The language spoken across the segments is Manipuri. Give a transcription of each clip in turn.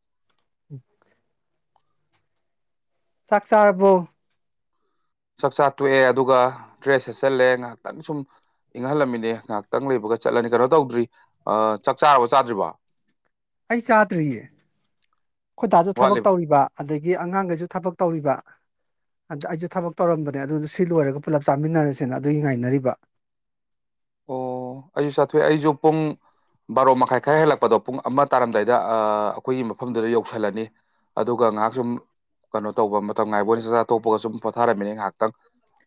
[unintelligible] ꯆꯥꯛ ꯆꯥꯔꯕꯣ ꯆꯥꯛꯆꯥꯥ ꯇꯣꯛꯑꯦ ꯑꯗꯨꯒ ꯗ꯭ꯔꯦꯁ ꯁꯦꯠꯆꯜꯂꯦ ꯉꯥꯏꯍꯥꯛꯇꯪ ꯁꯨꯝ ꯏꯪꯍꯜꯂꯝꯃꯤꯅꯦ ꯉꯥꯏꯍꯥꯛꯇꯪ ꯂꯩꯕꯒ ꯆꯠꯂꯅꯤ ꯀꯩꯅꯣ ꯇꯧꯗ꯭ꯔꯤ ꯑ ꯆꯥꯛ ꯆꯥꯔꯕ ꯆꯥꯗ꯭ꯔꯤꯕꯣ ꯑꯩ ꯆꯥꯇ꯭ꯔꯤꯌꯦ ꯑꯩꯈꯣꯏꯗꯥꯁꯨ ꯊꯕꯛ ꯋꯥꯠꯂꯤꯕ ꯇꯧꯔꯤꯕ ꯑꯗꯒꯤ ꯑꯉꯥꯡꯒꯩꯁꯨ ꯊꯕꯛ ꯇꯧꯔꯤꯕ ꯑꯗ ꯑꯩꯁꯨ ꯊꯕꯛ ꯇꯧꯔꯝꯕꯅꯦ ꯑꯗꯨꯗ ꯁꯤ ꯂꯣꯏꯔꯒ ꯄꯨꯜꯂꯞ ꯆꯥꯃꯤꯟꯅꯔꯁꯦꯅ ꯑꯗꯨꯒꯤ ꯉꯥꯏꯅꯔꯤꯕ [unintelligible] ꯑꯣ ꯑꯩꯁꯨ ꯆꯥꯊꯣꯛꯑꯦ ꯑꯩꯁꯨ ꯄꯨꯡ ꯕꯥꯔꯣ ꯃꯈꯥꯏ ꯈꯔ ꯍꯦꯜꯂꯛꯄꯗꯣ ꯄꯨꯡ ꯑꯃ ꯇꯥꯔꯝꯗꯥꯏꯗ ꯑ ꯑꯩꯈꯣꯏꯒꯤ ꯃꯐꯝꯗꯨꯗ ꯌꯧꯁꯤꯜꯂꯅꯤ ꯑꯗꯨꯒ ꯉꯥꯏꯍꯥꯛ ꯁꯨꯝ ꯀꯩꯅꯣ ꯇꯧꯕ ꯃꯇꯝ ꯉꯥꯏꯕ ꯑꯣꯏꯅ ꯆꯥꯆꯥꯊꯣꯛꯄꯒ ꯁꯨꯝ ꯄꯣꯊꯥꯔꯝꯃꯤꯅꯤ ꯉꯥꯏꯍꯥꯛꯇꯪ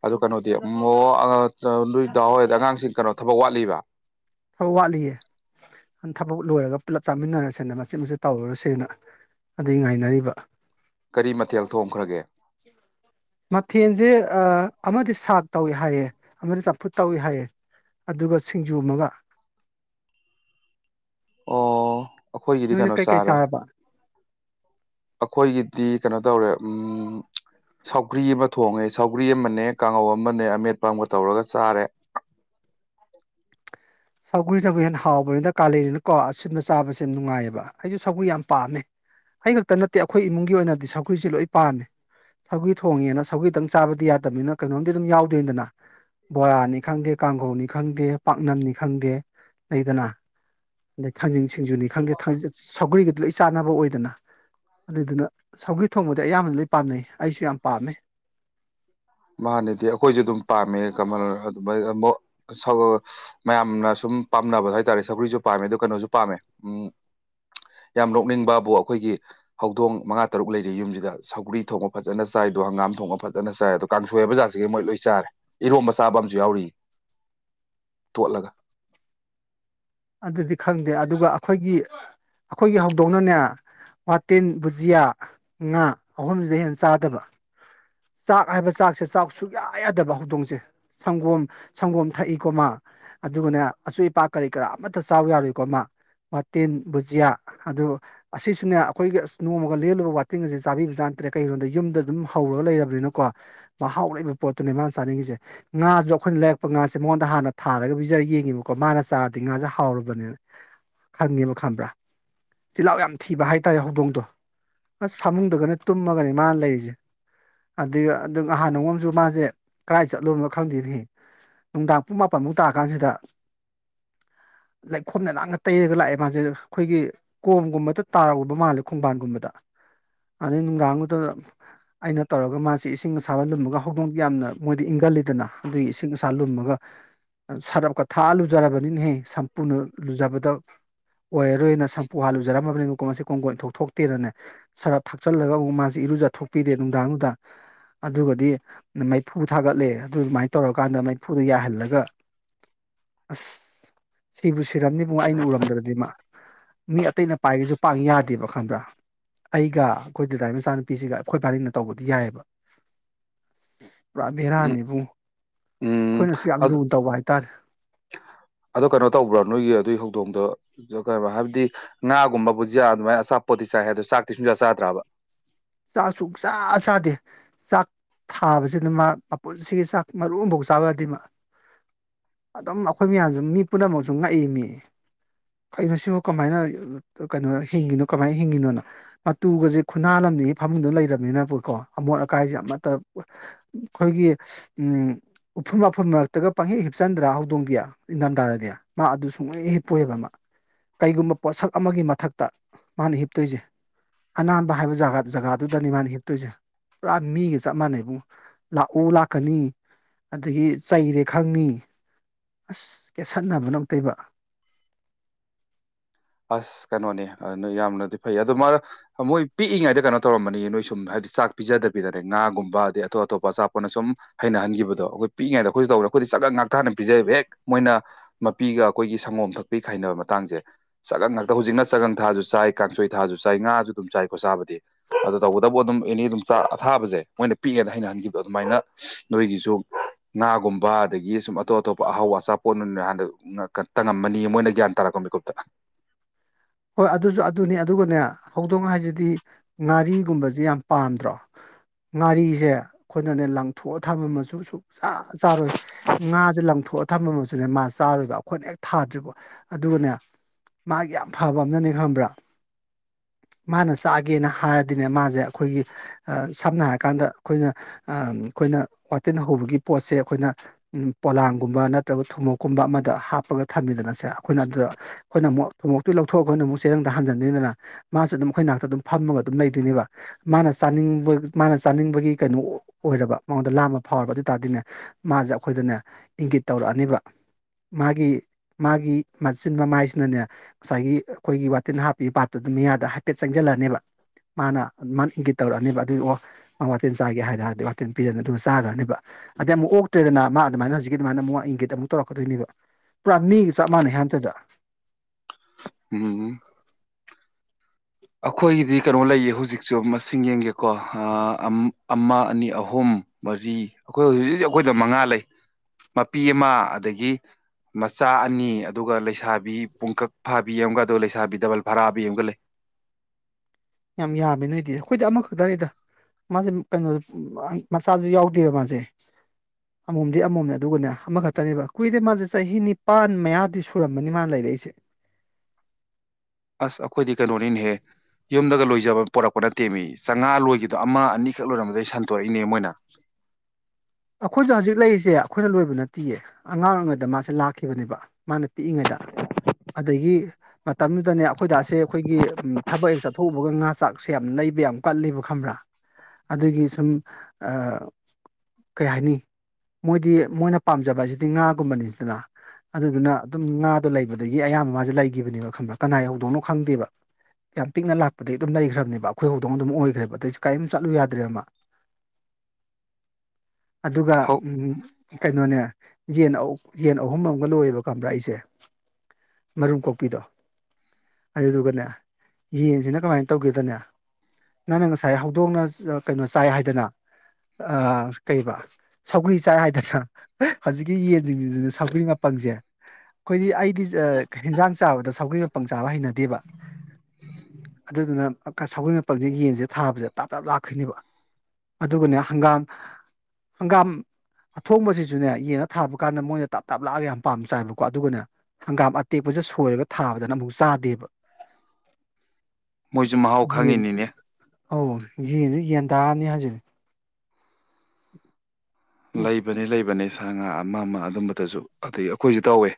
ꯑꯗꯨ ꯀꯩꯅꯣꯗꯤ ꯃꯣ ꯑꯥ ꯆꯥ ꯂꯨꯏꯗꯥꯍꯣꯏꯗ ꯑꯉꯥꯡꯁꯤꯡ ꯀꯩꯅꯣ ꯊꯕꯛ ꯋꯥꯠꯂꯤꯕ ꯑꯧ ꯋꯥꯠꯂꯤꯌꯦ ꯊꯕꯛ ꯂꯣꯏꯔꯒ ꯄꯨꯜꯂꯞ ꯆꯥꯃꯤꯟꯅꯔꯁꯦꯅ ꯃꯆꯦꯠ ꯃꯆꯦꯠ ꯇꯧꯔꯨꯔꯁꯦꯅ ꯑꯗꯨꯒꯤ ꯉꯥꯏꯅꯔꯤꯕ ꯀꯔꯤ ꯃꯊꯦꯜ ꯊꯣꯡꯈ꯭ꯔꯒꯦ ꯃꯊꯦꯜꯁꯦ ꯑꯥ ꯑꯃꯗꯤ ꯁꯥꯛ ꯇꯧꯏ ꯍꯥꯏꯌꯦ ꯑꯃꯗꯤ ꯆꯝꯐꯨꯠ ꯇꯧꯏ ꯍꯥꯏꯌꯦ ꯑꯗꯨꯒ ꯁꯤꯡꯖꯨꯃꯒ [unintelligible] ꯑꯣ ꯑꯈꯣꯏꯒꯤꯗꯤ ꯅꯣꯏꯅ ꯀꯩꯅꯣ ꯀꯩꯀꯩ ꯆꯥꯔꯦ ꯆꯥꯔꯕ ꯑꯩꯈꯣꯏꯒꯤꯗꯤ ꯀꯩꯅꯣ ꯇꯧꯔꯦ ꯎꯝ ꯁꯧꯒ꯭ꯔꯤ ꯑꯃ ꯊꯣꯡꯉꯦ ꯁꯧꯒ꯭ꯔꯤ ꯑꯃꯅꯦ ꯀꯥꯡꯉꯧ ꯑꯃꯅꯦ ꯑꯃꯦꯠꯄ ꯑꯝꯒ ꯇꯧꯔꯒ ꯆꯥꯔꯦ [unintelligible] ꯁꯧꯒ꯭ꯔꯤꯁꯤꯅꯕꯨ ꯍꯦꯟꯅ ꯍꯥꯎꯕꯅꯤꯗ ꯀꯥꯂꯦꯅꯤꯅꯀꯣ ꯑꯁꯤꯟꯕ ꯆꯥꯕꯁꯦ ꯌꯥꯝ ꯅꯨꯡꯉꯥꯏꯌꯦꯕ ꯑꯩꯁꯨ ꯁꯧꯒ꯭ꯔꯤ ꯌꯥꯝ ꯄꯥꯝꯃꯦ ꯑꯩ ꯈꯛꯇ ꯅꯠꯇꯦ ꯑꯩꯈꯣꯏ ꯏꯃꯨꯡꯒꯤ ꯑꯣꯏꯅꯗꯤ ꯁꯧꯒ꯭ꯔꯤꯁꯦ ꯂꯣꯏ ꯄꯥꯝꯃꯦ ꯁꯧꯒꯤ ꯊꯣꯡꯉꯦꯅ ꯁꯧꯒꯤꯗꯪ ꯆꯥꯕꯗꯤ ꯌꯥꯗꯕꯅꯤꯅ ꯀꯩꯅꯣꯝꯗꯤ ꯑꯗꯨꯝ ꯌꯥꯎꯗꯣꯏꯅꯤꯗꯅ ꯕꯣꯔꯥꯅꯤ ꯈꯪꯗꯦ ꯀꯥꯡꯈꯧꯅꯤ ꯈꯪꯗꯦ ꯄꯥꯛꯅꯝꯅꯤ ꯈꯪꯗꯦ ꯂꯩꯗꯅ ꯑꯗꯩ ꯊꯥꯡꯖꯟ ꯁꯤꯡꯖꯨꯅꯤ ꯈꯪꯗꯦ ꯁꯧꯒꯔꯤꯒꯗꯤ ꯂꯣꯏ ꯆꯥꯟꯅꯕ ꯑꯣꯏꯗꯅ ꯑꯗꯨꯗꯨꯅ ꯁꯧꯒꯤ ꯊꯣꯡꯕꯗꯤ ꯑꯌꯥꯝꯕꯅ ꯂꯩ ꯃꯥꯅꯦꯗꯤ ꯑꯩꯈꯣꯏꯁꯨ ꯑꯗꯨꯝ ꯄꯥꯝꯃꯦ ꯃ ꯃꯌꯥꯝꯅ ꯁꯨꯝ ꯄꯥꯝꯅꯕꯗꯣ ꯍꯥꯏꯇꯥꯔꯦ ꯁꯒ꯭ꯔꯤꯁꯨ ꯄꯥꯝꯃꯦ ꯑꯗꯨ ꯀꯩꯅꯣ ꯁꯨ ꯄꯥꯝꯃꯦ ꯎꯝ ꯌꯥꯝ ꯅꯣꯛꯅꯤꯡꯕꯕꯨ ꯑꯩꯈꯣꯏꯒꯤ ꯍꯧꯗꯣꯡ ꯃꯉꯥ ꯇꯔꯨꯛ ꯂꯩꯔꯤ ꯌꯨꯝꯁꯤꯗ ꯁꯧꯒ꯭ꯔꯤ ꯊꯣꯡꯉ ꯐꯖꯅ ꯆꯥꯏ ꯑꯗꯣ ꯍꯪꯒꯥꯝ ꯊꯣꯡꯉ ꯐꯖꯅ ꯆꯥꯏ ꯑꯗꯣ ꯀꯥꯡꯁꯣꯏ ꯍꯥꯏꯕ ꯖꯥꯠꯁꯤꯒ ꯃꯣꯏ ꯂꯣꯏ ꯆꯥꯔꯦ ꯏꯔꯣꯝꯕ ꯆꯥꯕ ꯑꯝꯨ ꯌꯥꯎꯔꯤ ꯇꯣꯠꯂꯒ ꯑꯗꯨꯗꯤ ꯈꯪꯗꯦ ꯑꯗꯨꯒ ꯑꯩꯈꯣꯏꯒꯤ ꯑꯩꯈꯣꯏꯒꯤ ꯍꯧꯗꯧꯅꯅꯦ ꯋꯥꯇꯤꯟ ꯕꯨꯖꯤꯌꯥ ꯉꯥ ꯑꯍꯨꯝꯁꯤꯗ ꯍꯦꯟꯅ ꯆꯥꯗꯕ ꯆꯥꯛ ꯍꯥꯏꯕ ꯆꯥꯛꯁꯦ ꯆꯥꯛ ꯁꯨꯛꯌꯥ ꯌꯥꯗꯕ ꯍꯧꯗꯣꯡꯁꯦ ꯁꯪꯒꯣꯝ ꯁꯪꯒꯣꯝ ꯊꯛꯏꯀꯣ ꯃꯥ ꯑꯗꯨꯒꯅꯦ ꯑꯆꯣꯏ ꯏꯄꯥꯛ ꯀꯔꯤ ꯀꯔꯥ ꯑꯃꯠꯇ ꯆꯥꯎ ꯌꯥꯔꯨꯏꯀꯣ ꯃꯥ ꯋꯥꯇꯦꯟ ꯕꯨꯖꯤꯌꯥ ꯑꯗꯨ ꯑꯁꯤꯁꯤꯅꯦ ꯑꯩꯈꯣꯏꯒꯤ ꯅꯣꯡꯃꯒ ꯂꯦꯜꯂꯨꯕ ꯋꯥꯇꯦꯡ ꯑꯁꯤꯦ ꯆꯥꯕꯤꯕ ꯖꯥꯠ ꯠꯇ꯭ꯔ ꯀꯩꯒꯤꯩꯅꯣꯝꯗ ꯌꯨꯝꯗ ꯑꯗꯨꯝ ꯍꯧꯔꯒ ꯂꯩꯔꯕꯅꯤꯅꯀꯣ ꯃꯥ ꯍꯧꯔꯛꯏꯕ ꯄꯣꯠꯇꯨꯅꯦ ꯃꯥꯅ ꯆꯥꯅꯤꯡꯉꯤꯁꯦ ꯉꯥꯁꯨ ꯑꯩꯈꯣꯏꯅ ꯂꯩꯔꯛꯄ ꯉꯒꯥꯁꯦ ꯃꯉꯣꯟ ꯍꯥꯟꯅ ꯊꯥꯔꯒ ꯄꯤꯖꯔ ꯌꯦꯡꯉꯤꯕꯀꯣ ꯃꯥꯅ ꯆꯥꯔ ꯑꯗꯤ ꯉꯥꯥꯁꯦ ꯍꯥꯎꯨꯔꯕꯅꯦꯅ ꯈꯪꯉꯦꯕ ꯈꯪꯕ꯭ꯔꯥ ꯆꯤꯜꯍꯥꯎ ꯌꯥꯝ ꯊꯤꯕ ꯍꯥꯏꯇꯥꯔꯦ ꯍꯧꯗꯣꯡꯗꯣ ꯑꯁ ꯐꯃꯨꯡꯗꯒꯅ ꯇꯨꯝꯃꯒꯅꯤ ꯃꯥꯅ ꯂꯩꯔꯤꯁꯦ ꯑ ꯑꯗꯨ ꯑꯍꯥꯟꯅꯉꯝꯁꯨ ꯃꯥꯁꯦ ꯀꯗꯥꯥꯏ ꯆꯠꯂꯣꯅꯣ ꯈꯪꯗꯦꯅꯤ ꯅꯨꯡꯗꯥꯡ ꯄꯨꯡ ꯃꯥꯄꯟꯃꯨꯛ ꯇꯥꯔꯀꯥꯟꯁꯤꯗ ꯂꯩꯈꯣꯝꯗ ꯂꯥꯡꯅ ꯇꯩꯔꯒ ꯂꯥꯛꯑꯦ ꯃꯥꯁꯦ ꯑꯩꯈꯣꯏꯒꯤ ꯀꯣꯝꯒꯨꯝꯕꯗ ꯇꯥꯔꯛꯎꯨꯕ ꯃꯥꯜꯂꯦ ꯈꯣꯡꯕꯥꯟꯒꯨꯝꯕꯗ ꯑꯗꯩ ꯅꯨꯡꯗꯥꯡꯗꯨꯗ ꯑꯩꯅ ꯇꯧꯔꯒ ꯃꯥꯁꯤ ꯏꯁꯤꯡ ꯑꯁꯥꯕ ꯂꯨꯝꯃꯒ ꯍꯧꯗꯣꯡ ꯌꯥꯝꯅ ꯃꯣꯏꯗ ꯏꯪꯒꯠ ꯅ ꯍꯦ ꯁꯝꯄꯨꯅ ꯂꯨꯖꯕꯗ ꯑꯣꯏꯔꯔꯣꯏꯅ ꯁꯝꯄꯨ ꯍꯥ ꯂꯨꯖꯔꯝꯃꯕꯅꯤ ꯀꯣꯡ ꯀꯣꯟ ꯊꯣꯛ ꯊꯣꯛꯣꯛꯇꯦꯔꯅꯦ ꯁꯔꯞ ꯊꯥꯛꯆꯤꯜꯂꯒ ꯑꯃꯨꯛ ꯃꯥꯁꯤꯦ ꯏꯔꯨꯖꯊꯣꯛꯄꯤꯗꯦ ꯅꯨꯡꯗꯥꯡꯗꯨꯗ ꯑꯗꯨꯒꯗꯤ ꯃꯩꯐꯨ ꯊꯥꯒꯠꯂꯦ ꯑꯗꯨꯃꯥꯏꯅ ꯇꯧꯔꯀꯥꯟꯗ ꯃꯩꯐꯨꯗꯣ ꯌꯥꯍꯜꯂꯒ ꯑꯁ ꯁꯤꯕꯨ ꯁꯤꯔꯝꯅꯤꯕꯨꯡ ꯑꯩꯅ ꯎꯔꯝꯗ꯭ꯔꯗꯤ ꯃꯥ ꯃꯤ ꯑꯇꯩꯅ ꯄꯥꯏꯒꯁꯨ ꯄꯥꯡ ꯌꯥꯗꯦꯕ ꯈꯟꯕ꯭ꯔꯥ ꯑꯩꯒ ꯑꯩꯈꯣꯏ ꯗꯦꯗꯥꯏ ꯃꯆꯥꯅꯨꯄꯤꯁꯤꯒ ꯑꯩꯈꯣꯏ ꯐꯥꯅꯤꯡꯅ ꯇꯧꯕꯗꯤ ꯌꯥꯏꯑꯕ [unintelligible] ꯄꯨꯔꯥ ꯎꯝ ꯕꯦꯔꯥꯅꯦ ꯏꯕꯨꯡ ꯎꯝ ꯑꯩꯈꯣꯏꯅꯁꯨ ꯌꯥꯝ ꯂꯨ ꯇꯧꯕ ꯍꯥꯏꯇꯥꯔꯦ ꯑꯣ ꯀꯩꯅꯣ ꯇꯧꯕ꯭ꯔꯣ ꯅꯣꯏꯒꯤ ꯑꯗꯨꯒꯤ ꯍꯧꯗꯣꯡꯗꯣ ꯀꯩꯅ ꯍꯥꯏꯕꯗꯤ ꯉꯥꯒꯨꯝꯕ ꯕꯨꯖꯤꯌꯥ ꯑꯗꯨꯃꯥꯏꯅ ꯑꯆꯥꯄꯣꯠ ꯆꯥꯏ ꯍꯥꯏꯗꯣ ꯆꯥꯛꯇꯤ ꯁꯨꯡꯖꯥ ꯆꯥꯗ꯭ꯔꯥꯕ ꯁꯥ ꯁꯨꯛ ꯁꯥ ꯁꯥꯗꯦ ꯆꯥꯛ ꯊꯥꯕꯁꯤꯅ ꯃꯥ ꯃꯄꯨꯟꯁꯤꯒꯤ ꯆꯥꯛ ꯃꯔꯨ ꯑꯃꯐꯥꯎ ꯆꯥꯕꯗꯤ ꯑꯗꯨꯝ ꯑꯩꯈꯣꯏ ꯃꯌꯥꯝꯁꯨ ꯃꯤ ꯄꯨꯝꯅꯃꯛꯁꯨ ꯉꯛꯏ ꯃꯤ ꯑꯩ ꯃꯁꯤꯕꯨ ꯀꯃꯥꯏꯅ ꯀꯩꯅꯣ ꯍꯤꯡꯉꯤꯅꯣ ꯀꯃꯥꯏꯅ ꯍꯤꯡꯉꯤꯅꯣꯅ ꯃꯇꯨꯒꯁꯦ ꯈꯨꯟꯅꯥ ꯂꯝꯅꯤ ꯃꯃꯗꯨ ꯂꯩꯔꯕꯅꯤꯅꯀꯣ ꯑꯃꯣꯠ ꯑꯀꯥꯏꯁꯦ ꯑꯃꯠꯇ ꯑꯩꯈꯣꯏꯒꯤ ꯎꯐꯨꯟ ꯃꯥꯄꯨ ꯃꯔꯛꯇꯒ ꯄꯪꯍꯦꯛ ꯍꯤꯞꯆꯟꯗ꯭ꯔꯥ ꯍꯧꯗꯣꯡꯗꯤ ꯏꯟꯊꯝꯊꯥꯗꯗꯤ ꯃꯥ ꯑꯗꯨ ꯁꯨꯡꯂꯩ ꯍꯤꯞꯄꯣꯏꯑꯕ ꯑꯃ ꯀꯩꯒꯨꯝꯕ ꯄꯣꯠꯁꯛ ꯑꯃꯒꯤ ꯃꯊꯛꯇ ꯃꯥꯅ ꯍꯤꯞꯇꯣꯏꯁꯦ ꯑꯅꯥꯟꯕ ꯍꯥꯏꯕ ꯖꯒꯥꯗ ꯖꯒꯥꯗꯨꯗꯅꯦ ꯃꯥꯅ ꯍꯦꯛꯇꯣꯏꯁꯦ ꯄꯨꯔꯥ ꯃꯤꯒ ꯆꯞ ꯃꯥꯟꯅꯩꯕꯨꯨꯡ ꯂꯥꯛꯑꯣ ꯂꯥꯛꯀꯅꯤ ꯑꯗꯒꯤ ꯆꯩꯔꯦ ꯈꯪꯉꯤ ꯑꯁ ꯀꯦ ꯁꯥꯟꯅꯕꯅꯣ ꯑ ꯇꯩꯕ ꯑꯁ ꯀꯩꯅꯣꯅꯦ ꯑꯗꯨꯅ ꯌꯥꯝꯅꯗꯤ ꯐꯩ ꯑꯗꯣ ꯃꯥꯅ ꯃꯣꯏ ꯄꯤꯛꯏꯉꯩꯗ ꯀꯩꯅꯣ ꯇꯧꯔꯝꯕꯅꯤ ꯅꯣꯏ ꯁꯨꯝ ꯍꯥꯏ ꯆꯥꯛ ꯄꯤꯖꯗꯕꯤꯗꯅꯅꯦꯥꯒꯕ ꯑꯗꯩ ꯑꯇꯣꯞ ꯑꯣꯞ ꯑꯆꯥꯄꯅ ꯁꯨꯝ ꯍꯩꯅꯍꯟꯈꯤꯕꯗꯣ ꯑꯩꯈ ꯄꯛꯉꯩꯗ ꯑꯩꯈꯣꯏ ꯇꯧ ꯆꯥꯛꯂꯒ ꯉꯥꯛꯊꯅ ꯄꯤꯖꯩꯕ ꯍꯦꯛ ꯃꯣꯏꯅ ꯃꯄꯤꯒ ꯑꯩꯈꯣꯏꯒꯤ ꯁꯪꯒꯣꯝ ꯊꯛꯄꯒꯤ ꯈꯥꯏꯅꯕ ꯃꯇꯥꯡꯁꯦ ꯆꯒꯪ ꯉꯥꯛꯇ ꯍꯧꯖꯤꯛꯅ ꯆꯒꯪ ꯊꯥꯖ ꯆꯥꯏ ꯀꯥꯡꯁꯣꯏ ꯊꯥꯖ ꯆꯥꯏ ꯉꯥꯁꯨ ꯑꯗꯨꯝ ꯆꯥꯏꯀꯣ ꯆꯥꯕꯗꯤ ꯑꯗꯨ ꯇꯧꯕꯇꯕꯨ ꯑꯗꯨꯝ ꯑꯦꯅꯤ ꯑꯗꯨꯝ ꯑꯊꯥꯕꯁꯦ ꯃꯣꯏꯅ ꯄꯤꯛꯑꯦꯅ ꯍꯥꯏꯅꯍꯟꯈꯤꯕꯗꯣ ꯑꯗꯨꯃꯥꯏꯅ ꯅꯣꯏꯒꯤꯁꯨ ꯉꯥꯒꯨꯝꯕ ꯑꯗꯒꯤ ꯁꯨꯝ ꯑꯇꯣꯞ ꯑꯇꯣꯞꯄ ꯑꯍꯧ ꯑꯆꯥꯄꯣꯠ ꯍꯥꯟꯅ ꯇꯪꯉꯝꯃꯅꯤ ꯃꯣꯏꯅ ꯒ꯭ꯌꯥꯟ ꯇꯥꯔꯛꯄ ꯠꯇꯔ ꯍꯣꯏ ꯑꯗꯨꯁꯨ ꯑꯗꯨꯅꯤ ꯑꯗꯨꯒꯅꯦ ꯍꯧꯗꯣꯡ ꯍꯥꯏꯁꯤꯗꯤ ꯉꯥꯔꯤꯒꯨꯝꯕꯁꯤ ꯌꯥꯝ ꯄꯥꯝꯗ꯭ꯔꯣ ꯉꯥꯔꯤꯁꯦ ꯑꯩꯈꯣꯏꯅꯅꯦ ꯂꯪꯊꯣꯛꯑ ꯊꯥꯕꯝ ꯑꯃꯁꯨ ꯁꯨ ꯆ ꯆꯥꯔꯣꯏ ꯉꯥꯁꯦ ꯂꯪꯊꯣꯛꯑ ꯊꯝꯕ ꯑꯃꯁꯨꯅꯦ ꯃꯥꯁꯦ ꯆꯥꯔꯣꯏꯕ ꯑꯩꯈꯣꯏꯅ ꯍꯦꯛ ꯊꯥꯗ꯭ꯔꯤꯕ ꯑꯗꯨꯒꯅꯦ ꯃꯥꯒꯤ ꯐꯕ ꯑꯃꯝꯅꯅꯦ ꯈꯕ꯭ꯔꯥ ꯃꯥꯅ ꯆꯥꯛꯒꯦꯅ ꯍꯥꯏꯔꯗꯤꯅꯦ ꯃꯥꯁꯦ ꯑꯩꯈꯣꯏꯒꯤ ꯁꯝꯅ ꯍꯥꯏꯔꯀꯥꯟꯗ ꯑꯩꯈꯣꯏꯅ ꯑꯩꯈꯣꯏꯅ ꯋꯥꯇꯅ ꯍꯧꯕꯒꯤ ꯄꯣꯠꯁꯦ ꯑꯩꯈꯣꯏꯅ ꯄꯣꯂꯥꯡꯒꯨꯝꯕ ꯅꯠꯇ꯭ꯔꯒ ꯊꯨꯝꯃꯣꯛꯞꯀꯨꯝꯕ ꯑꯃꯗ ꯍꯥꯞꯄꯒ ꯊꯝꯕꯤꯗꯅꯁꯦ ꯑꯩꯈꯣꯏꯅ ꯑꯗꯨꯗ ꯑꯩꯈꯣꯏꯅ ꯇꯨ ꯂꯧꯊꯣꯛꯑꯒꯈꯣꯏꯅ ꯑꯃꯨꯛ ꯆꯦꯔꯪꯗ ꯍꯟꯖꯟꯅꯤꯗꯅ ꯃꯥꯁꯨ ꯑꯗꯨꯝ ꯑꯩꯈꯣꯏ ꯅꯥꯛꯇ ꯑꯗꯨꯝ ꯐꯝꯃꯒ ꯑꯗꯨꯝ ꯂꯩꯗꯣꯏꯅꯦꯕ ꯃꯥꯅ ꯆꯥꯅꯤꯡ ꯆꯕ ꯃꯥꯅ ꯆꯥꯅꯤꯡꯕꯒꯤ ꯀꯩꯅꯣ ꯑꯣꯏꯔꯕ ꯃꯉꯣꯟꯗ ꯂꯥꯝꯕ ꯐꯥꯎꯔꯕ ꯑꯗꯨ ꯑꯣꯏ ꯇꯥꯔꯗꯤꯅꯦ ꯃꯥꯁꯦ ꯑꯩꯈꯣꯏꯗꯅꯦ ꯏꯪꯒꯤꯠ ꯇꯧꯔꯛꯑꯅꯦꯕ ꯃꯥꯒꯤ ꯃꯥꯒꯤ ꯃꯆꯤꯟ ꯃꯃꯥꯏꯁꯤꯅꯅꯦ ꯉꯁꯥꯏꯒꯤ ꯑꯩꯈꯣꯏꯒꯤ ꯋꯥꯇꯤꯟ ꯍꯥꯞꯄꯤꯕ ꯄꯥꯞꯠꯇꯨꯗ ꯃꯤꯌꯥꯗ ꯍꯥꯏꯐꯦꯠ ꯆꯪꯁꯤꯜꯂꯅꯦꯕ ꯃꯥꯅ ꯃꯥꯅ ꯏꯪꯒꯤꯠ ꯇꯧꯔꯛꯑꯅꯦꯕ ꯑꯗꯨꯏ ꯑꯣ ꯃꯥ ꯋꯥꯇꯦꯜ ꯆꯥꯒꯦ ꯍꯥꯏ ꯇꯔꯗꯤ ꯋꯥꯇꯦꯟ ꯄꯤꯗꯅꯤ ꯑꯗꯨ ꯆꯥꯈ꯭ꯔꯅꯦꯕ ꯑꯗꯩ ꯑꯃꯨꯛ ꯑꯣꯛꯇ꯭ꯔꯗꯅ ꯃꯥ ꯑꯗꯨꯃꯥꯏꯅ ꯍꯧꯖꯤꯛꯀꯤ ꯑꯗꯨꯃꯥꯏꯅ ꯑꯃꯨꯛ ꯏꯪꯒꯦꯗ ꯑꯃꯨꯛ ꯇꯧꯔꯛꯀꯗꯣꯏꯅꯦꯕ ꯄꯨꯔꯥ ꯃꯤꯒ ꯆꯞ ꯃꯥꯟꯅꯩ ꯍꯟꯇꯗ ꯎꯝ ꯑꯩꯈꯣꯏꯒꯤꯗꯤ ꯀꯩꯅꯣ ꯂꯩꯌꯦ ꯍꯧꯖꯤꯛꯁꯨ ꯃꯁꯤꯡ ꯌꯦꯡꯒꯦꯀꯣ ꯑꯃ ꯑꯅꯤ ꯑꯍꯨꯝ ꯃꯔꯤ ꯑꯩꯈꯣꯏ ꯍꯧꯖꯤꯛ ꯍꯧꯖꯤꯛ ꯑꯩꯈꯣꯏꯗ ꯃꯉꯥ ꯂꯩ ꯃꯄꯤ ꯑꯃ ꯑꯗꯒꯤ ꯃꯆꯥ ꯑꯅꯤ ꯑꯗꯨꯒ ꯂꯩꯁꯥꯕꯤ ꯄꯨꯡꯀꯛ ꯐꯥꯕꯤ ꯑꯃꯦꯝꯒꯗꯣ ꯂꯩꯁꯥꯕꯤ ꯗꯕꯜ ꯐꯔꯥꯕꯤ ꯑꯦꯝꯒ ꯂꯩ ꯌꯥꯝ ꯌꯥꯝꯃꯤ ꯅꯣꯏꯗꯤꯗꯤ ꯑꯩꯈꯣꯏꯗꯤ ꯑꯃꯈꯛꯇꯅꯦꯗ ꯃꯥꯁꯦ ꯀꯩꯅꯣ ꯃꯆꯥꯁꯨ ꯌꯥꯎꯗꯦꯕ ꯃꯥꯁꯦ ꯑꯃꯣꯝꯗꯤ ꯑꯃꯃꯣꯝꯅꯦ ꯑꯗꯨꯒꯅꯦ ꯑꯃꯈꯛꯇꯅꯦꯕ ꯀꯨꯏꯗꯦ ꯃꯥꯁꯦ ꯆꯍꯤ ꯅꯤꯄꯥꯟ ꯃꯌꯥꯗꯤ ꯁꯨꯔꯝꯃꯅꯤ ꯃꯥꯅ ꯂꯩ ꯂꯩꯁ ꯑꯁ ꯑꯩꯈꯣꯏꯗꯤ ꯀꯩꯅꯣꯔꯤꯅꯍꯦ ꯌꯨꯝꯗꯒ ꯂꯣꯏꯖꯕ ꯄꯣꯔꯛꯄ ꯅꯠꯇꯦ ꯃꯤ ꯆꯥꯝꯉꯥ ꯂꯣꯏꯈꯤꯗꯣ ꯑꯃ ꯑꯅꯤꯈꯛ ꯂꯣꯏꯔꯝꯕꯗꯒꯤꯩ ꯁꯟꯇꯣꯔꯛꯏꯅꯦ ꯃꯣꯏꯅ [unintelligible] ꯑꯩꯈꯣꯏꯁꯨ ꯍꯧꯖꯤꯛ ꯂꯩꯔꯤꯁꯦ ꯑꯩꯈꯣꯏꯅ ꯂꯣꯏꯕ ꯅꯠꯇꯦꯌꯦ ꯑꯉꯥꯡ ꯑꯣꯏꯔꯤꯉꯩꯗ ꯃꯥꯁꯦ ꯂꯥꯛꯈꯤꯕꯅꯦꯕ ꯃꯥꯅ ꯄꯤꯛꯏꯉꯩꯗ ꯑ ꯑꯗꯒꯤ ꯃꯇꯝꯗꯨꯗꯅꯦ ꯑꯩꯈꯣꯏꯗꯁꯦ ꯑꯩꯈꯣꯏꯒꯤ ꯊꯕꯛ ꯍꯦꯛ ꯆꯠꯊꯣꯛꯎꯕꯒ ꯉꯥ ꯆꯥꯛꯁꯦ ꯌꯥꯝ ꯂꯩ ꯂꯩꯕ ꯌꯥꯝ ꯀꯠꯂꯦꯕ ꯈꯪꯕ꯭ꯔꯥ ꯑꯗꯨꯒꯤ ꯁꯨꯝ ꯀꯩ ꯍꯥꯏꯅꯤ ꯃꯣꯏꯗꯤ ꯃꯣꯏꯅ ꯄꯥꯝꯖꯕ ꯍꯥꯏꯁꯤꯗꯤ ꯉꯥꯒꯨꯝꯕꯅꯤꯁꯤꯅ ꯑꯗꯨꯗꯨꯅ ꯑꯗꯨꯝ ꯉꯥꯗꯣ ꯂꯩꯕꯗꯒꯤ ꯑꯌꯥꯝꯕ ꯃꯥꯁꯦ ꯂꯩꯈꯤꯕꯅꯦꯕ ꯈꯪꯕ꯭ꯔꯥ ꯀꯅꯥ ꯍꯧꯧꯗꯧꯅꯣ ꯈꯪꯗꯦꯕ ꯌꯥꯝ ꯄꯤꯛꯅ ꯂꯥꯛꯄꯗꯒꯤꯩ ꯑꯗꯨꯝ ꯂꯩꯈ꯭ꯔꯕꯅꯦꯕ ꯑꯩꯈꯣꯏ ꯍꯧꯗꯣꯡꯅ ꯑꯗꯨꯝ ꯑꯣꯏꯈ꯭ꯔꯦꯕ ꯑꯗꯩꯁꯨ ꯀꯔꯤꯝ ꯆꯠꯂꯨ ꯌꯥꯗ꯭ꯔꯦ ꯑꯃ [unintelligible] ꯑꯗꯨꯒ ꯍꯧ ꯎ ꯀꯩꯅꯣꯅꯦ ꯌꯦꯟ ꯌꯦꯟ ꯑꯍꯨꯝ ꯑꯃꯒ ꯂꯣꯏꯌꯦꯕ ꯀꯝꯕ꯭ꯔꯥ ꯑꯩꯁꯦ ꯃꯔꯨꯝ ꯀꯣꯛꯄꯤꯗꯣ ꯑꯗꯨꯗꯨꯒꯅꯦ ꯌꯦꯟꯁꯤꯅ ꯀꯃꯥꯏꯅ ꯇꯧꯒꯦꯗꯅꯦ ꯅꯪꯅ ꯉꯁꯥꯏ ꯍꯧꯗꯣꯡꯅ ꯀꯩꯅꯣ ꯆꯥꯏ ꯍꯥꯏꯗꯅ ꯀꯩꯔꯤꯕ ꯁꯧꯒ꯭ꯔꯤ ꯆꯥꯏ ꯍꯥꯏꯗꯅ ꯍꯧꯖꯤꯛꯀꯤ ꯌꯦꯟꯁꯤꯡꯁꯤꯁꯤꯅ ꯁꯧꯒ꯭ꯔꯤ ꯃꯄꯪꯁꯦ ꯑꯩꯈꯣꯏꯗꯤ ꯑꯩꯗꯤ ꯍꯦꯟꯖꯥꯡ ꯆꯥꯕꯗ ꯁꯧꯒ꯭ꯔꯤ ꯃꯄꯪ ꯆꯥꯕ ꯍꯩꯅꯗꯦꯕ ꯑꯗꯨꯗꯨꯅ ꯁꯒꯜ ꯃꯄꯜꯁꯦ ꯌꯦꯟꯁꯦ ꯊꯥꯕꯁꯗ ꯇꯥꯞ ꯇꯥꯞ ꯂꯥꯛꯈ꯭ꯣꯏꯅꯦꯕ ꯑꯗꯨꯒꯅꯦ ꯍꯪꯒꯥꯝ ꯍꯪꯒꯥꯝ ꯑꯊꯣꯡꯕꯁꯤꯁꯨꯅꯦ ꯌꯦꯟꯟꯅ ꯊꯥꯕ ꯀꯥꯟꯗ ꯃꯣꯏꯅ ꯇꯥꯞ ꯇꯥꯞ ꯂꯥꯛꯑꯒ ꯌꯥꯝ ꯄꯥꯝ ꯆꯥꯏꯕꯀꯣ ꯑꯗꯨꯒꯅꯦ ꯍꯪꯒꯥꯝ ꯑꯇꯦꯛꯄ ꯁꯤꯗ ꯁꯣꯏꯔꯒ ꯊꯥꯕꯗꯅ ꯑꯃꯨꯛ ꯆꯥꯗꯦꯕ ꯃꯣꯏꯁꯨ ꯃꯍꯥꯎ ꯌꯦꯟ ꯈꯪꯉꯤꯅꯤꯅꯦ ꯑꯧ ꯌꯦꯟꯗꯨ ꯌꯦꯟꯗꯥꯅꯤ ꯍꯥꯏꯖꯤꯅꯤ ꯂꯩꯕꯅꯤ ꯂꯩꯕꯅꯤ ꯁꯥ ꯉꯥ ꯑꯃ ꯑꯃ ꯑꯗꯨꯝꯕꯗꯁꯨ ꯑꯗꯨꯗꯩ ꯑꯩꯈꯣꯏꯁꯨ ꯇꯧꯋꯦ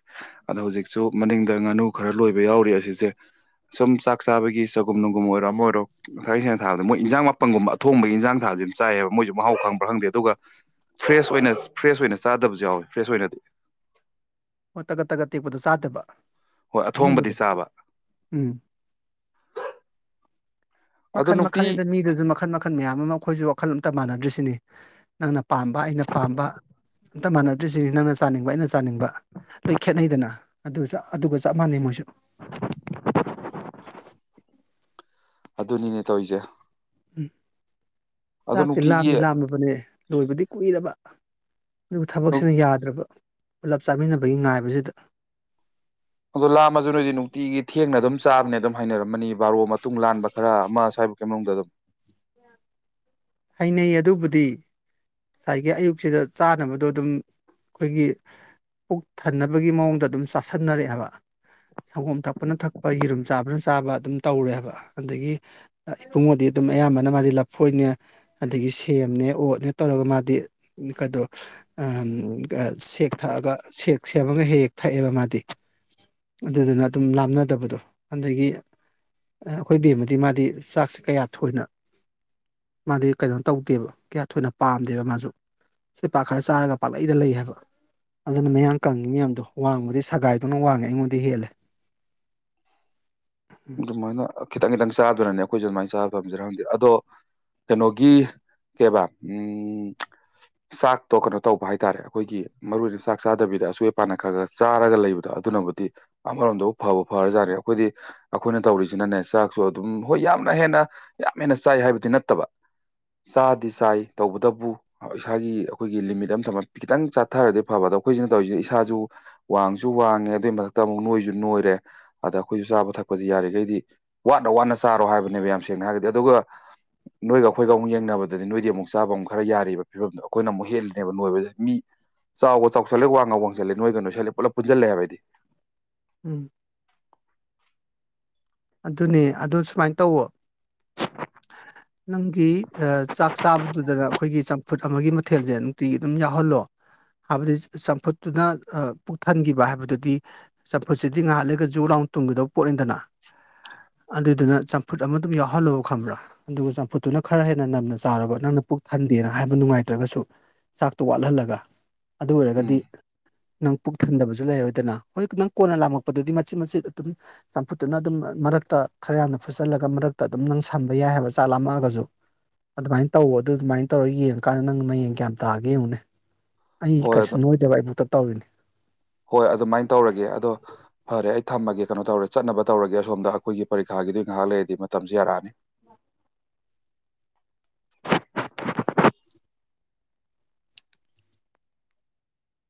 ꯑꯗꯣ ꯍꯧꯖꯤꯛꯁꯨ ꯃꯅꯤꯡꯗ ꯉꯥꯅꯨ ꯈꯔ ꯂꯣꯏꯕ ꯌꯥꯎꯔꯤ ꯑꯁꯤꯁꯦ ꯁꯨꯝ ꯆꯥꯛ ꯆꯥꯕꯒꯤ ꯆꯒꯨꯝ ꯅꯨꯡꯒꯨꯝ ꯑꯣꯏꯔꯣ ꯑꯃ ꯑꯣꯏꯔꯣ ꯊꯩꯦꯡꯅ ꯊꯥꯕꯗ ꯃꯣꯏ ꯏꯟꯖꯥꯡ ꯃꯥꯄꯟꯒꯨꯝꯕ ꯑꯊꯣꯡꯕꯒꯤ ꯏꯟꯖꯥꯡ ꯊꯥꯕ ꯑꯗꯨꯝ ꯆꯥꯏ ꯍꯥꯏꯕ ꯃꯣꯏꯁꯨ ꯃꯍꯥꯎ ꯈꯪꯕ꯭ꯔꯥ ꯈꯪꯗꯦ ꯑꯗꯨꯒ ꯐ꯭ꯔꯦꯁ ꯑꯣꯏꯅ ꯐ꯭ꯔꯦꯁ ꯑꯣꯏꯅ ꯆꯥꯗꯕꯁꯨ ꯌꯥꯎꯋꯤ ꯐ꯭ꯔꯦꯁ ꯑꯣꯏꯅꯗꯤ ꯍꯣꯏ ꯇꯒꯠ ꯇꯒꯠ ꯇꯦꯛꯄꯗꯨꯣ ꯆꯥꯗꯕ ꯍꯣꯏ ꯑꯊꯣꯡꯕꯗꯤ ꯑꯍꯤꯡꯕꯗꯣ ꯆꯥꯕ ꯎꯝ ꯑꯗꯣ ꯃꯈꯟ ꯃꯈꯜ ꯅꯨꯡꯇꯤ ꯑꯗ ꯃꯤꯗꯁꯨ ꯃꯈꯜ ꯃꯈꯜ ꯃꯌꯥꯝ ꯑꯃ ꯑꯩꯈꯣꯏꯁꯨ ꯋꯥꯈꯜꯂꯣꯟ ꯇꯠꯇ ꯃꯥꯟꯅꯗ꯭ꯔꯤꯁꯤꯅꯤ ꯅꯪꯅ ꯄꯥꯝꯕ ꯑꯩꯅ ꯄꯥꯝꯕ ꯑꯝꯇ ꯃꯥꯟꯅꯗ꯭ꯔꯤꯁꯤꯅꯤ ꯅꯪꯅ ꯆꯥꯅꯤꯡꯕ ꯑꯩꯅ ꯆꯥꯅꯤꯡꯕ ꯂꯣꯏ ꯈꯦꯠꯅꯩꯗꯅ ꯑꯗꯨ ꯑꯗꯨꯒ ꯆꯞ ꯃꯥꯟꯅꯩ ꯃꯣꯏꯁꯨ ꯑꯗꯨꯅꯤꯅꯦ ꯇꯧꯔꯤꯁꯦ ꯑꯗꯣ ꯆꯥꯛꯇꯤ ꯅꯨꯡꯇꯤꯒꯤ ꯂꯥꯝꯗꯤ ꯂꯥꯝꯂꯕꯅꯦ ꯂꯣꯏꯕꯗꯤ ꯀꯨꯏꯗꯕ ꯑꯗꯨꯒ ꯊꯕꯛꯁꯤꯅ ꯌꯥꯗ꯭ꯔꯕ ꯄꯨꯂꯞ ꯆꯥꯃꯤꯟꯅꯕꯒꯤ ꯉꯥꯏꯕꯁꯤꯗ ꯑꯗꯣ ꯂꯥꯝꯃꯁꯨ ꯅꯣꯏꯗꯤ ꯅꯨꯡꯇꯤꯒꯤ ꯊꯦꯡꯅ ꯑꯗꯨꯝ ꯆꯥꯕꯅꯦ ꯑꯗꯨꯝ ꯍꯥꯏꯅꯔꯝꯃꯅꯤ ꯕꯥꯔꯣ ꯃꯇꯨꯡ ꯂꯥꯟꯕ ꯈꯔ ꯑꯃ ꯁ꯭ꯥꯏꯕꯀꯤ ꯃꯅꯨꯡꯗ ꯑꯗꯨꯝ ꯍꯩꯅꯩ ꯑꯗꯨꯕꯨꯗꯤ ꯉꯁꯥꯏꯒꯤ ꯑꯌꯨꯛꯁꯤꯗ ꯆꯥꯅꯕꯗꯣ ꯑꯗꯨꯝ ꯑꯩꯈꯣꯏꯒꯤ ꯄꯨꯛ ꯊꯟꯅꯕꯒꯤ ꯃꯑꯣꯡꯗ ꯑꯗꯨꯝ ꯆꯥꯥꯁꯟꯅꯔꯛꯑꯦꯕ ꯁꯪꯒꯣꯝ ꯊꯛꯄꯅ ꯊꯛꯄ ꯌꯦꯔꯨꯝ ꯆꯥꯕꯅ ꯆꯥꯕ ꯑꯗꯨꯝ ꯇꯧꯔꯦꯕ ꯑꯗꯒꯤ ꯏꯕꯨꯡꯕꯨꯗꯤ ꯑꯗꯨꯝ ꯑꯗꯨꯝ ꯑꯌꯥꯝꯕꯅ ꯃꯥꯗꯤ ꯂꯞꯐꯣꯏꯅꯦ ꯑꯗꯒꯤ ꯁꯦꯝꯅꯦ ꯑꯣꯠꯅꯦ ꯇꯧꯔꯒ ꯃꯥꯗꯤ ꯀꯗꯣ ꯁꯦꯛ ꯊꯛꯑꯒ ꯁꯦꯛ ꯁꯦꯝꯃꯒ ꯍꯦꯛ ꯍꯦꯛ ꯊꯛꯑꯦꯕ ꯃꯥꯗꯤ ꯑꯗꯨꯗꯨꯅ ꯑꯗꯨꯝ ꯂꯥꯞꯅꯗꯕꯗꯣ ꯑꯗꯒꯤ ꯑꯩꯈꯣꯏ ꯕꯦꯝꯃꯗꯤ ꯃꯥꯗꯤ ꯆꯥꯛꯁꯤ ꯀꯌꯥ ꯊꯣꯏꯅ ꯃꯥꯗꯤ ꯀꯩꯅꯣ ꯇꯧꯗꯦꯕ ꯀꯌꯥ ꯊꯣꯏꯅ ꯄꯥꯝꯗꯦꯕ ꯃꯥꯁꯨ ꯁ ꯄꯥꯛ ꯈꯔ ꯆꯥꯔꯒ ꯄꯥꯛꯂꯛꯗ ꯂꯩ ꯍꯥꯏꯕ ꯑꯗꯨꯅ ꯃꯌꯥꯝ ꯀꯪꯉꯤ ꯃꯌꯥꯝꯗꯣ ꯋꯥꯡꯕꯗꯤ ꯁꯒꯥꯏꯗꯨꯧꯅ ꯋꯥꯡꯉꯦ ꯑꯩꯉꯣꯟꯗ ꯍꯦꯜꯂꯦ ꯑꯗꯨꯃꯥꯏꯅ ꯈꯤꯇꯪ ꯈꯤꯇꯪ ꯆꯥꯗꯅꯅꯦ ꯑꯩꯈꯣꯏꯁꯨ ꯑꯗꯨꯃꯥꯏꯅ ꯆꯥꯕ ꯊꯝꯖꯔ ꯈꯝꯗꯦ ꯑꯗꯣ ꯀꯩꯅꯣꯒꯤ ꯀꯦꯕꯥ ꯎꯝ ꯆꯥꯛꯇꯣ ꯀꯩꯅꯣ ꯇꯧꯕ ꯍꯥꯏꯇꯥꯔꯦ ꯑꯩꯈꯣꯏꯒꯤ ꯃꯔꯨ ꯑꯣꯏꯅ ꯆꯥꯛ ꯆꯥꯗꯕꯤꯗ ꯑꯁꯣꯏ ꯑꯄꯅ ꯈꯔ ꯈꯒ ꯆꯥꯔꯒ ꯂꯩꯕꯗꯣ ꯑꯗꯨꯅꯕꯨꯗꯤ ꯑꯃꯔꯣꯝꯗꯕꯨ ꯐꯕ ꯐꯔꯖꯥꯠꯅꯤ ꯑꯩꯈꯣꯏꯗꯤ ꯑꯩꯈꯣꯏꯅ ꯇꯧꯔꯤꯁꯤꯅꯅꯦ ꯆꯥꯛꯁꯨ ꯑꯗꯨꯝ ꯍꯣꯏ ꯌꯥꯝꯅ ꯍꯦꯟꯅ ꯌꯥꯝ ꯍꯦꯟꯅ ꯆꯥꯏ ꯍꯥꯏꯕꯗꯤ ꯅꯠꯇꯕ ꯆꯥꯗꯤ ꯆꯥꯏ ꯇꯧꯕꯇꯕꯨ ꯏꯁꯥꯒꯤ ꯑꯩꯈꯣꯏꯒꯤ ꯂꯤꯃꯤꯠ ꯑꯃ ꯊꯝꯃ ꯈꯤꯇꯪ ꯆꯥꯊꯔꯗꯤ ꯐꯕ ꯑꯗꯣ ꯑꯩꯈꯣꯏꯁꯤꯅ ꯇꯧꯔꯤꯁꯤꯗꯤ ꯏꯁꯥꯁꯨ ꯋꯥꯡꯁꯨ ꯋꯥꯡꯉꯦ ꯑꯗꯨꯏ ꯃꯊꯛꯇ ꯑꯃꯨꯛ ꯅꯣꯏꯁꯨ ꯅꯣꯏꯔꯦ ꯑꯗ ꯑꯩꯈꯣꯏꯁꯨ ꯆꯥꯕ ꯊꯛꯄ ꯑꯩꯈꯣꯏ ꯌꯥꯔꯤꯈꯩꯗꯤ ꯋꯥꯅ ꯋꯥꯅ ꯆꯥꯔꯣ ꯍꯥꯏꯕꯅꯦꯕ ꯌꯥꯝ ꯁꯦꯡꯅ ꯍꯥꯏꯔꯒꯗꯤ ꯑꯗꯨꯒ ꯅꯣꯏꯒ ꯑꯩꯈꯣꯏꯒ ꯑꯃꯨꯛ ꯌꯦꯡꯅꯕꯗꯗꯤ ꯅꯣꯏꯗꯤ ꯑꯃꯨꯛ ꯆꯥꯕ ꯑꯃꯨꯛ ꯈꯔ ꯌꯥꯔꯤꯕꯕ ꯐꯤꯕꯝꯗꯣ ꯑꯩꯈꯣꯏꯅ ꯑꯃꯨꯛ ꯍꯦꯜꯂꯤꯅꯦꯕ ꯅꯣꯏꯕꯗꯗꯤ ꯃꯤ ꯆꯥꯎꯕ ꯆꯥꯎꯁꯜꯂꯦ ꯋꯥꯡꯉꯒ ꯋꯥꯡꯁꯜꯂꯦ ꯅꯣꯏꯒꯅꯣꯏꯁꯤꯠꯂꯦ ꯄꯨꯂꯞ ꯄꯨꯟꯖꯜꯂꯦ ꯍꯥꯏꯕꯗꯤ ꯎꯝ ꯑꯗꯨꯅꯦ ꯑꯗꯨ ꯁꯨꯃꯥꯏꯅ ꯇꯧꯋꯣ [unintelligible] ꯅꯪꯒꯤ ꯆꯥꯛ ꯆꯥꯕꯗꯨꯗꯅ ꯑꯩꯈꯣꯏꯒꯤ ꯆꯝꯐꯨꯠ ꯑꯃꯒꯤ ꯃꯊꯦꯜꯁꯦ ꯅꯨꯡꯇꯤꯒꯤ ꯑꯗꯨꯝ ꯌꯥꯎꯍꯜꯂꯣ ꯍꯥꯏꯕꯗꯤ ꯆꯝꯐꯨꯠꯇꯨꯅ ꯄꯨꯛꯊꯟꯈꯤꯕ ꯍꯥꯏꯕꯗꯨꯗꯤ ꯆꯝꯐꯨꯠꯁꯤꯗꯤ ꯉꯥꯏꯍꯜꯂꯒ ꯖꯨ ꯂꯥꯎ ꯇꯨꯡꯒꯗꯧꯕ ꯄꯣꯠ ꯏꯟꯗꯅ ꯑ ꯑꯗꯨꯏꯗꯨꯅ ꯆꯝꯐꯨꯠ ꯑꯃ ꯑꯗꯨꯝ ꯌꯥꯎꯍꯜꯂꯣꯕ ꯈꯪꯕ꯭ꯔꯥ ꯑꯗꯨꯒ ꯆꯝꯐꯨꯠꯇꯨꯅ ꯈꯔ ꯍꯦꯟꯅ ꯅꯝꯅ ꯆꯥꯔꯕ ꯅꯪꯅ ꯄꯨꯛ ꯈꯟꯗꯦꯅ ꯍꯥꯏꯕ ꯅꯨꯡꯉꯥꯏꯇ꯭ꯔꯒꯁꯨ ꯆꯥꯛꯇꯣ ꯋꯥꯠꯍꯜꯂꯒ ꯑꯗꯨ ꯑꯣꯏꯔꯒꯗꯤ ꯎꯝ ꯅꯪ ꯄꯨꯛ ꯊꯟꯗꯕꯁꯨ ꯂꯩꯔꯣꯏꯗꯅ ꯍꯣꯏ ꯅꯪ ꯀꯣꯟꯅ ꯂꯥꯝꯃꯛꯛꯄꯗꯨꯗꯤ ꯃꯆꯦꯠ ꯃꯆꯦꯠ ꯑꯗꯨꯝ ꯆꯝꯐꯨꯠ ꯑꯗꯨꯅ ꯑꯗꯨꯝ ꯃꯔꯛꯇ ꯈꯔ ꯌꯥꯝꯅ ꯐꯨꯆꯜꯂꯒ ꯃꯔꯛꯇ ꯑꯗꯨꯝ ꯅꯪ ꯁꯝꯕ ꯌꯥꯏ ꯍꯥꯏꯕ ꯆꯥꯛꯥꯝꯃꯛꯑꯒꯁꯨ ꯑꯗꯨꯃꯥꯏꯅ ꯇꯧ ꯑꯗꯨ ꯑꯗꯨꯃꯥꯏꯅ ꯇꯧꯔꯒ ꯌꯦꯡꯉꯀꯥꯟꯗ ꯅꯪ ꯍꯌꯦꯡ ꯀꯌꯥꯝ ꯇꯥꯑꯒꯦ ꯌꯦꯡꯉꯨꯅꯦ ꯑꯩ ꯍꯣꯏ ꯀꯩꯁꯨ ꯑꯗꯨ ꯅꯣꯏꯗꯕ ꯑꯩꯕꯨꯛꯇ ꯇꯧꯔꯤꯅꯤ ꯍꯣꯏ ꯑꯗꯨꯃꯥꯏꯅ ꯇꯧꯔꯒꯦ ꯑꯗꯣ ꯐꯔꯦ ꯑꯩ ꯊꯝꯃꯒꯦ ꯀꯩꯅꯣ ꯇꯧꯔꯦꯠꯅꯕ ꯇꯧꯔꯒꯦ ꯑꯁꯣꯝꯗ ꯑꯩꯈꯣꯏꯒꯤ ꯄꯔꯤꯈꯥꯒꯤꯗꯨ ꯉꯥꯏꯍꯥꯛ ꯂꯩꯔꯗꯤ ꯃꯇꯝꯁꯨ ꯌꯥꯔꯛꯑꯅꯤ [unintelligible]